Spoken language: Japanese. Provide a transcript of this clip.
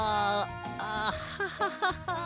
あハハハハ。